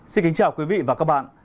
xin kính chào quý vị và các bạn